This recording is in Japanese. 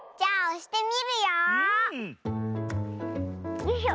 よいしょ。